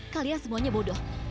kalian semuanya bodoh